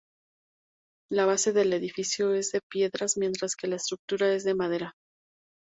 La base del edificio es de piedra mientras que la estructura es de madera.